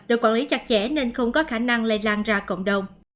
được quản lý chặt chẽ nên không có khả năng lây lan ra cộng đồng